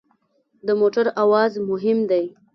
د موټر اواز مهم دی.